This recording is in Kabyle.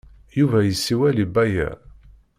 Yuba yessiwel i Baya.